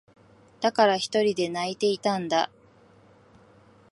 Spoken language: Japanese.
だから、ひとりで泣いていたんだ。